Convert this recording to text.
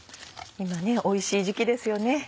今おいしい時期ですよね。